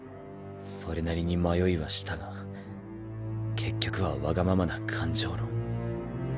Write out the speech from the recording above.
それなりに迷いはしたが結局はわがままな感情論。